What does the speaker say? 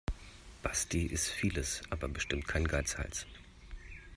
Basti ist vieles, aber bestimmt kein Geizhals.